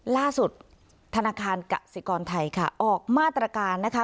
ธนาคารกสิกรไทยค่ะออกมาตรการนะคะ